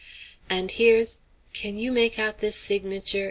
And here's can you make out this signature?